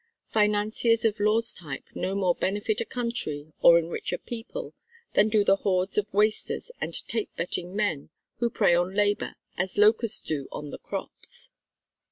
Financiers of Law's type no more benefit a country or enrich a people than do the hordes of wasters and "tape" betting men who prey on labour as locusts do on the crops.